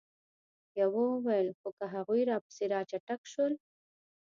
يوه وويل: خو که هغوی راپسې را چټک شول؟